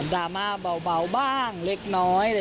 ราม่าเบาบ้างเล็กน้อย